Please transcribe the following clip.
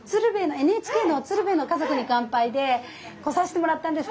ＮＨＫの「鶴瓶の家族に乾杯」で来さしてもらったんです